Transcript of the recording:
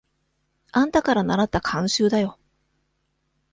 あんたからならった慣習だよ。